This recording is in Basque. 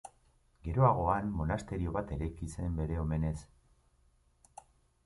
Geroago han monasterio bat eraiki zen bere omenez.